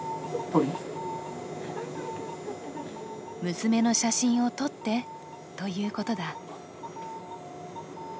娘の写真を撮ってということだ。